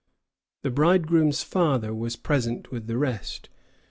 The bridegroom's father was present with the rest.